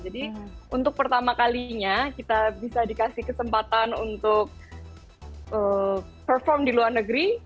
jadi untuk pertama kalinya kita bisa dikasih kesempatan untuk perform di luar negeri